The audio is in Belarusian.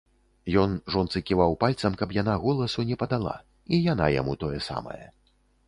Ён жонцы ківаў пальцам, каб яна голасу не падала, і яна яму тое самае.